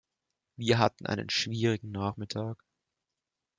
Wir hatten einen schwierigen Nachmittag.